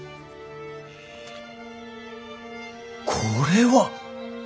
これは！